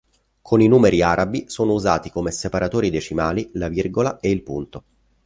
Con i numeri arabi sono usati come separatori decimali la virgola e il punto.